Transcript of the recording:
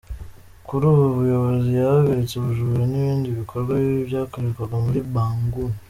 Kuri ubu buyobozi yahagaritse ubujura n’ibindi bikorwa bibi byakorerwaga muri Bangui.